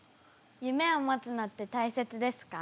夢を持つのって大切ですか？